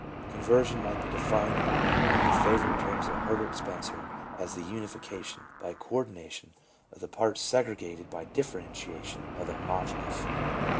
Conversion might be defined in the favorite terms of Herbert Spencer, as the unification, by coordination, of the parts segregated by differentiation of the homogeneous.